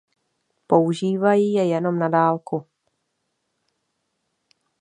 Používají je jenom na dálku.